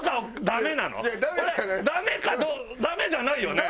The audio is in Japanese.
ダメじゃないよね？